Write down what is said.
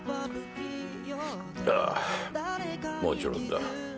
ああもちろんだ。